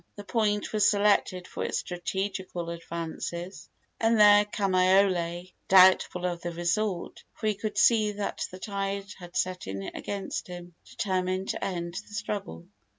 The point was selected for its strategical advantages, and there Kamaiole, doubtful of the result for he could see that the tide had set in against him determined to end the struggle.